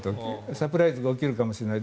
サプライズが起きるかもしれない。